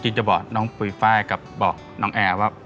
จริงจะบอกน้องปุ๋ยฝ้ายกับบอกน้องแอว่า